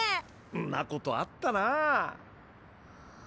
んなことあったなあ。